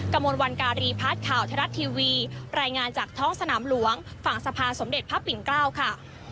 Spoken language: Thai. กระมวลวันการีพัฒน์ข่าวไทยรัฐทีวีรายงานจากท้องสนามหลวงฝั่งสภาสมเด็จพระปิ่นเกล้าค่ะ